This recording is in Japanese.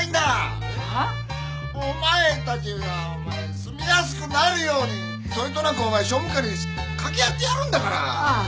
はっ⁉お前たちが住みやすくなるようにそれとなく庶務課に掛け合ってやるんだからああ